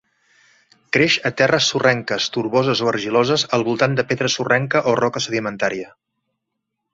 Creix a terres sorrenques, torboses o argiloses al voltant de pedra sorrenca o roca sedimentària.